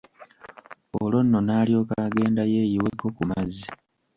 Olwo nno n'alyoka agenda yeeyiweko ku mazzi.